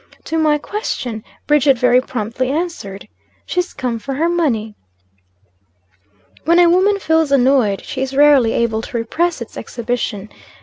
To my question, Bridget very promptly answered, "She's come for her money." When a woman feels annoyed, she is rarely able to repress its exhibition.